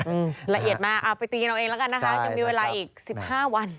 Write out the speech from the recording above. ละเอียดมากไปตียังเอาเองแล้วกันนะคะ